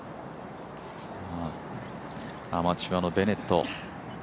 アマチュアのベネット。